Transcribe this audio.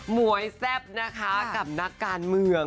หวยแซ่บนะคะกับนักการเมือง